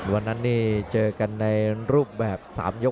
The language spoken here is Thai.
วันนั้นนี่เจอกันในรูปแบบ๓ยก